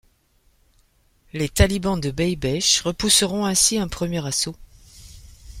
Les talibans de Bai Beche repousseront ainsi un premier assaut.